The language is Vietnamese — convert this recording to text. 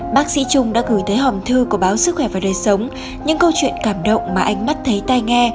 bác sĩ trung đã gửi tới hòm thư của báo sức khỏe và đời sống những câu chuyện cảm động mà anh bắt thấy tai nghe